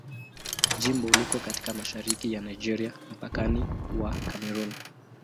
Jimbo liko katika mashariki ya Nigeria, mpakani wa Kamerun.